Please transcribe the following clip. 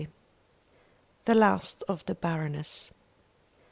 THE LAST OF THE BARONESS.